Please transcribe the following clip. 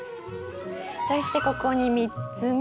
そしてここに３つ目。